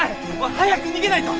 早く逃げないと！